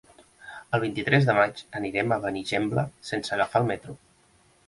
El vint-i-tres de maig anirem a Benigembla sense agafar el metro.